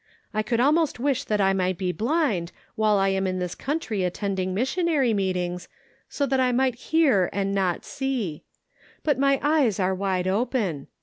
I could almost wish that I might be blind, while I am in this country attending missionary meetings, so that I might hear and not see. But my eyes are wide open.